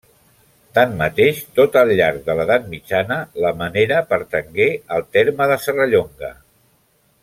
Tanmateix, tot al llarg de l'Edat Mitjana, la Menera pertangué al terme de Serrallonga.